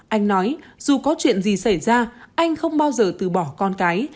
anh nói dù có chuyện gì xảy ra anh không bao giờ từ bỏ con cái